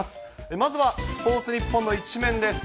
まずはスポーツニッポンの１面です。